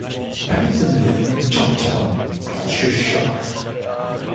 Pennington lived in Cheltenham, Gloucestershire.